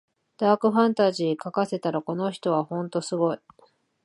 ダークファンタジー書かせたらこの人はほんとすごい